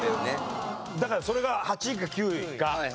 だからそれが８位か９位か。